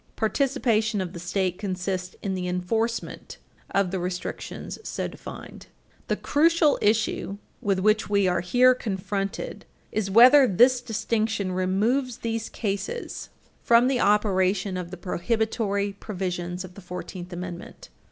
Participation of the State consists in the enforcement of the restrictions so defined. The crucial issue with which we are here confronted is whether this distinction removes these cases from the operation of the prohibitory provisions of the Fourteenth Amendment.